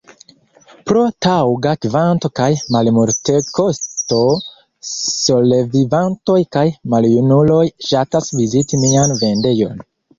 Pro taŭga kvanto kaj malmultekosto solevivantoj kaj maljunuloj ŝatas viziti mian vendejon.